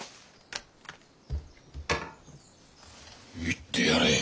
行ってやれ。